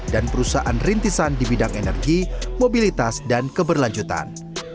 dan perusahaan rintisan di bidang energi mobilitas dan keberlanjutan